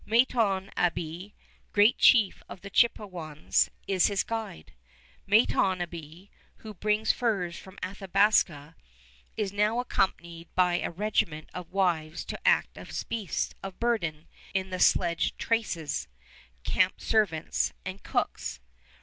Matonabbee, great chief of the Chippewyans, is his guide, Matonabbee, who brings furs from the Athabasca, and is now accompanied by a regiment of wives to act as beasts of burden in the sledge traces, camp servants, and cooks.